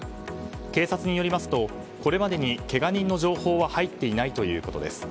警察によりますと、これまでにけが人の情報は入っていないということです。